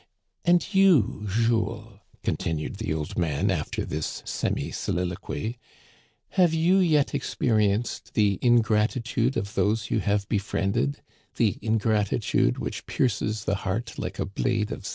" And you, Jules," continued the old man after this semi soliloquy, have you yet experienced the ingrati tude of those you have befriended, the ingratitude which pierces the heart like a blade of steel